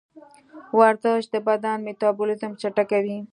ورزش د بدن میتابولیزم چټکوي.